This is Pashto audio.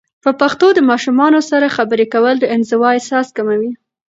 په پښتو د ماشومانو سره خبرې کول، د انزوا احساس کموي.